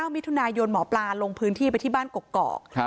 มิถุนายนหมอปลาลงพื้นที่ไปที่บ้านกกอก